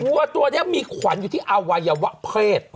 วัวตัวนี้มีขวัญอยู่ที่อวัยวะเพศ